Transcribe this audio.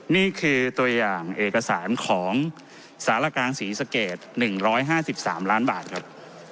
นี่คือตัวอย่างเอกสารของสารกลางศรีสเกตหนึ่งร้อยห้าสิบสามล้านบาทครับ